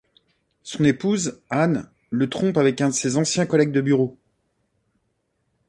Son épouse, Anne, le trompe avec un de ses anciens collègues de bureau.